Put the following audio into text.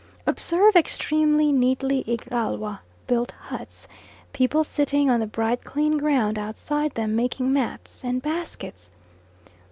Observe extremely neatly Igalwa built huts, people sitting on the bright clean ground outside them, making mats and baskets.